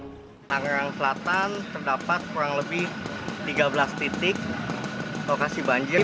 di tangerang selatan terdapat kurang lebih tiga belas titik lokasi banjir